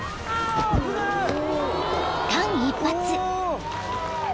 ［間一髪］